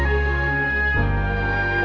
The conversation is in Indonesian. ternyata bentuk itu tidak apa apa